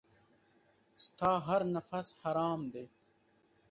ستا هر نفس حرام دی .